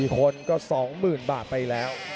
๔คนก็๒๐๐๐บาทไปแล้ว